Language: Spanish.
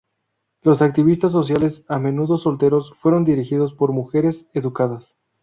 Los activistas sociales, a menudo solteros, fueron dirigidos por mujeres educadas.